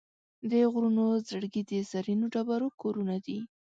د غرونو زړګي د زرینو ډبرو کورونه دي.